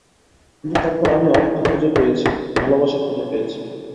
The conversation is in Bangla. কিন্তু তারপর আমি অর্থ খুঁজে পেয়েছি, ভালোবাসা খুঁজে পেয়েছি।